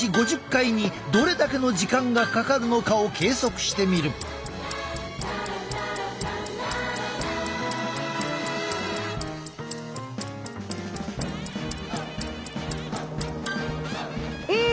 ５０回にどれだけの時間がかかるのかを計測してみる。え！